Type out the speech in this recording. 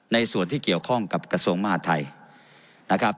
ในส่วนที่เกี่ยวข้องกับกระทรวงมหาดไทยนะครับ